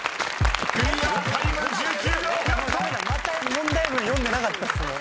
問題文読んでなかったっすもん。